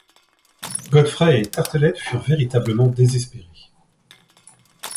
Godfrey et Tartelett furent véritablement désespérés.